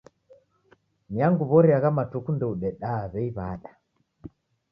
Ni angu w'ori agha matuku ndoudedaa w'ei w'ada.